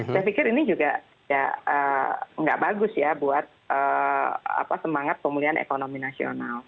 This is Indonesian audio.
saya pikir ini juga nggak bagus ya buat semangat pemulihan ekonomi nasional